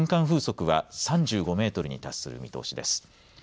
風速は３５メートルに達する見通しです。